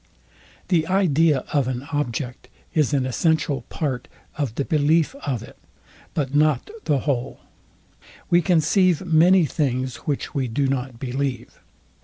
The idea of an object is an essential part of the belief of it, but not the whole. We conceive many things, which we do not believe.